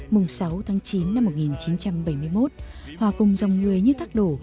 mùng sáu tháng chín năm một nghìn chín trăm bảy mươi một hòa cùng dòng người như thác đổ